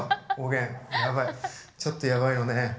ちょっとやばいよね。